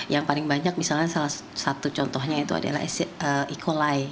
yang paling banyak misalnya salah satu contohnya adalah e coli